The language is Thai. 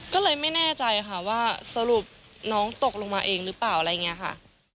ก็เลยไม่แน่ใจค่ะว่าสรุปน้องตกลงมาเองหรือเปล่าอะไรอย่างนี้ค่ะ